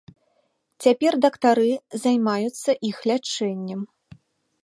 Цяпер дактары займаюцца іх лячэннем.